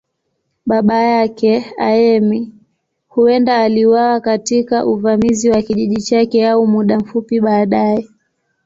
Baba yake, Ayemi, huenda aliuawa katika uvamizi wa kijiji chake au muda mfupi baadaye.